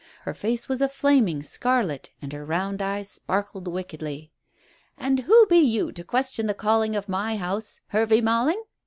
Her face was a flaming scarlet, and her round eyes sparkled wickedly. "And who be you to question the calling of my house, Hervey Malling?"